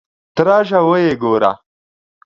ته راشه ویې ګوره.